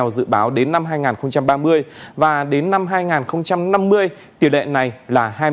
dự báo đến năm hai nghìn ba mươi và đến năm hai nghìn năm mươi tiểu đệ này là hai mươi năm